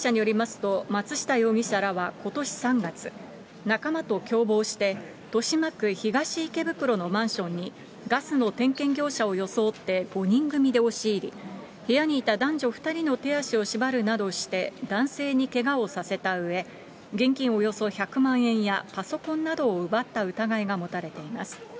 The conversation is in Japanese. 捜査関係者によりますと、松下容疑者らはことし３月、仲間と共謀して、豊島区東池袋のマンションに、ガスの点検業者を装って５人組で押し入り、部屋にいた男女２人の手足を縛るなどして男性にけがをさせたうえ、現金およそ１００万円やパソコンなどを奪った疑いが持たれています。